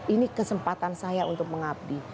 ini kesempatan saya untuk mengabdi